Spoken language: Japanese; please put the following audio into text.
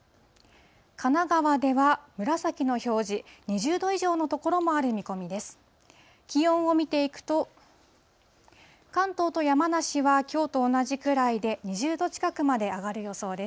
神奈川では紫の表示、２０度以上の所もある見込みです。